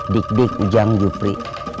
dik dik ujang jupri